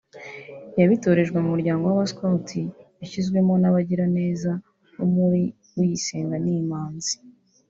yabitorejwe mu muryango w’aba Scout yashyizwemo n’abagira neza bo muri Uyisenga ni Imanzi